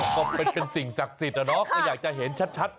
เป็นกันสิ่งศักดิ์สิทธิ์เหรออยากจะเห็นชัด